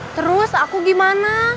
terus aku gimana